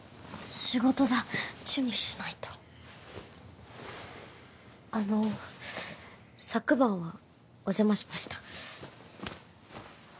仕事だ準備しないとあの昨晩はお邪魔しました